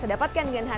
lagi pamer belanja